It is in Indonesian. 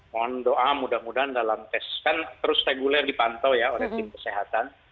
mohon doa mudah mudahan dalam tes kan terus reguler dipantau ya oleh tim kesehatan